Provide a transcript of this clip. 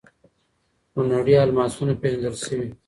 خونړي الماسونه پېژندل شوي.